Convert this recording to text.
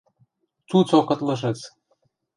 Цуцок ытлышыц!